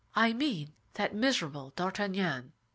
"I mean that miserable D'Artagnan."